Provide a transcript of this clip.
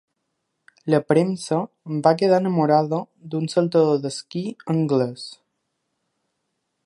La premsa va quedar enamorada d’un saltador d’esquí anglès.